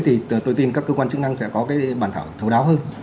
thì tôi tin các cơ quan chức năng sẽ có cái bản thảo thấu đáo hơn